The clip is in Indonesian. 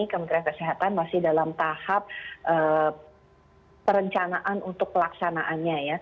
kementerian kesehatan masih dalam tahap perencanaan untuk pelaksanaannya ya